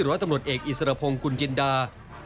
ร้อยตำรวจเอกอิสรพงศ์กุลจินดา